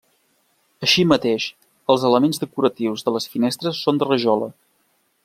Així mateix, els elements decoratius de les finestres són de rajola.